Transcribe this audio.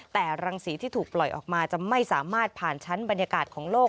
แต่รังสีที่ถูกปล่อยออกมาจะไม่สามารถผ่านชั้นบรรยากาศของโลก